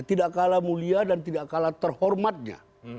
tidak kalah mulia dan tidak kalah terhormatnya